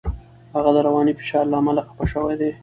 هغه د رواني فشار له امله خپه شوی دی.